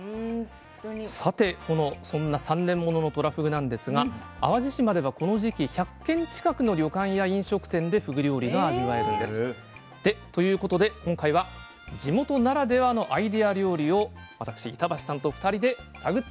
さてそんな３年もののとらふぐなんですが淡路島ではこの時期１００軒近くの旅館や飲食店でふぐ料理が味わえるんです。ということで今回は地元ならではのアイデア料理を私板橋さんと２人で探ってきました。